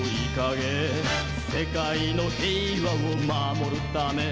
「世界の平和を守るため」